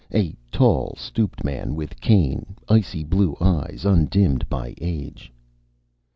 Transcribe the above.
A tall, stooped man with cane, icy blue eyes undimmed by age.